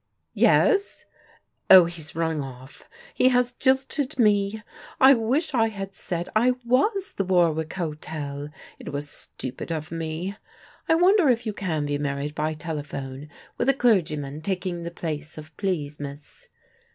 Yes? Oh, he's rung off: he has jilted me. I wish I had said I was the Warwick Hotel: it was stupid of me. I wonder if you can be married by telephone with a clergyman taking the place of 'please, miss.'